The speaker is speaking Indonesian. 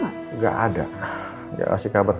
nggak ada gak ngasih kabar